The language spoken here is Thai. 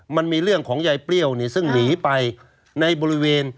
มันมีเรื่องของยายเปรี้ยวซึ่งหนีไปในบริเวณ